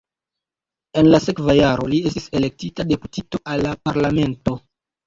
En la sekva jaro li estis elektita deputito al la parlamento.